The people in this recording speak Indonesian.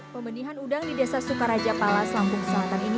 pembenihan udang di desa sukaraja palas lampung selatan ini